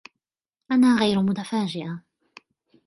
أنا غير متفاجئة.